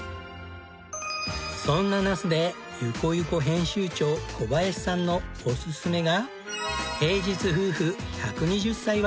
そんな那須で『ゆこゆこ』編集長小林さんのオススメが。